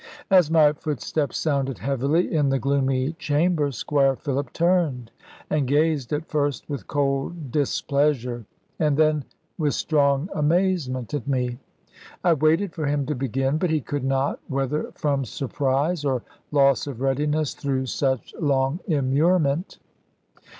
As my footsteps sounded heavily in the gloomy chamber, Squire Philip turned, and gazed at first with cold displeasure, and then with strong amazement at me. I waited for him to begin, but he could not, whether from surprise or loss of readiness through such long immurement.